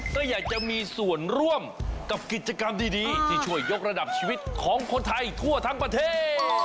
ก็อยากจะมีส่วนร่วมกับกิจกรรมดีที่ช่วยยกระดับชีวิตของคนไทยทั่วทั้งประเทศ